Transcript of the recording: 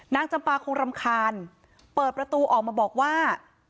จำปาคงรำคาญเปิดประตูออกมาบอกว่า